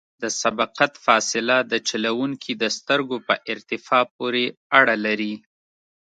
د سبقت فاصله د چلوونکي د سترګو په ارتفاع پورې اړه لري